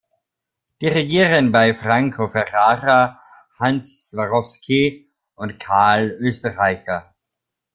Dirigieren bei Franco Ferrara, Hans Swarowsky und Karl Österreicher.